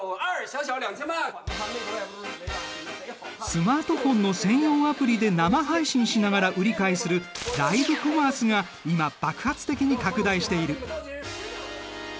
スマートフォンの専用アプリで生配信しながら売り買いするライブコマースが今爆発的に拡大している。